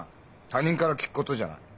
他人から聞くことじゃない。